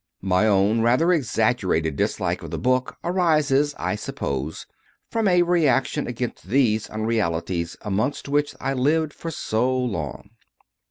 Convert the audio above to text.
My own rather exaggerated dislike of the book, arises, I suppose, from a reaction against these unrealities amongst which I lived for so long.